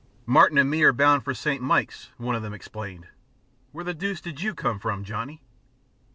"Martin and me are bound for Saint Mikes," one of them explained. "Where the deuce did you come from, Johnny?"